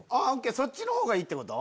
そっちのほうがいいってこと？